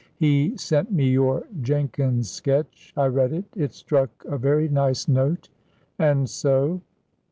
He sent me your Jenkins sketch. I read it it struck a very nice note. And so